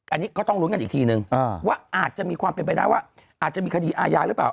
อันนี้ก็ต้องลุ้นกันอีกทีนึงว่าอาจจะมีความเป็นไปได้ว่าอาจจะมีคดีอาญาหรือเปล่า